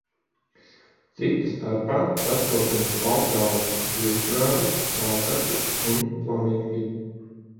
Citu starpā sastopams baltgalvas zilknābis, baltacis un flamingi.